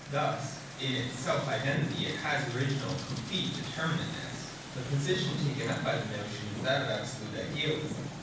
Thus in its self identity it has original and complete determinateness. The position taken up by the notion is that of absolute idealism.